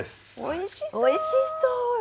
おいしそう！